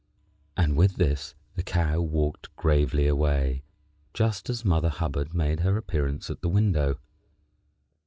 And with this the Cow walked gravely away, just as Mother Hubbard made her appearance at the window.